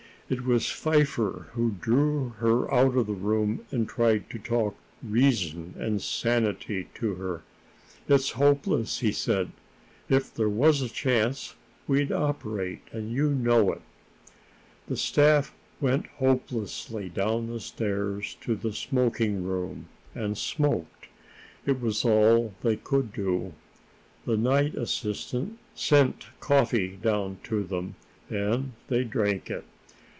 It was Pfeiffer who drew her out of the room and tried to talk reason and sanity to her. "It's hopeless," he said. "If there was a chance, we'd operate, and you know it." The staff went hopelessly down the stairs to the smoking room, and smoked. It was all they could do. The night assistant sent coffee down to them, and they drank it.